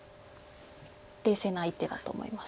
冷静な一手だと思います。